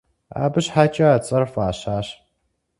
Абы щхьэкӀэ а цӀэр фӀащащ.